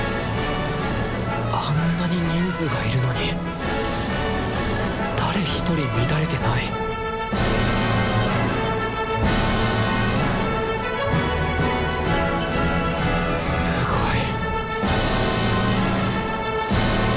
あんなに人数がいるのに誰一人乱れてないすごい！